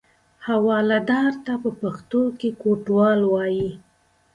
حوالهدار ته په پښتو کې کوټوال وایي.